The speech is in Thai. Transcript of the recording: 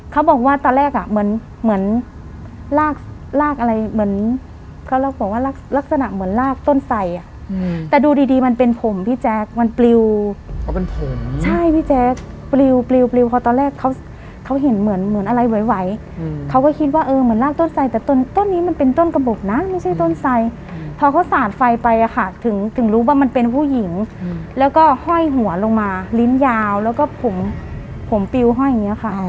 เขาบอกว่าตอนแรกเหมือนลากอะไรเขาบอกว่าลักษณะเหมือนลากต้นไส่แต่ดูดีมันเป็นผมพี่แจ๊คมันปลิวใช่พี่แจ๊คปลิวเพราะตอนแรกเขาเห็นเหมือนอะไรไหวเขาก็คิดว่าเหมือนลากต้นไส่แต่ต้นนี้มันเป็นต้นกระบบนะไม่ใช่ต้นไส่พอเขาสะอาดไฟไปถึงรู้ว่ามันเป็นผู้หญิงแล้วก็ห้อยหัวลงมาลิ้นยาวแล้วก็ผมปลิ